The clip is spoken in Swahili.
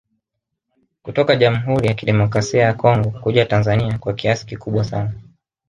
Kutoka jamhuri ya kidemokrasi ya Congo kuja Tanzania kwa kiasi kikubwa sana